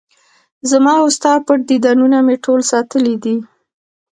زما وستا پټ دیدنونه مې ټول ساتلي دي